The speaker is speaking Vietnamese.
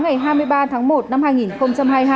ngày hai mươi ba tháng một năm hai nghìn hai mươi hai